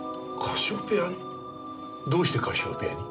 どうしてカシオペアに？